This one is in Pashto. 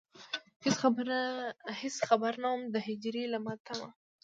هېڅ خبر نه وم د هجر له ماتمه.